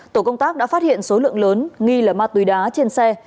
tổ công tác đã phát hiện số lượng lớn nghi là ma túy đá trên xe